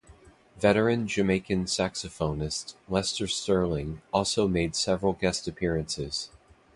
Veteran Jamaican saxophonist Lester Sterling also made several guest appearances.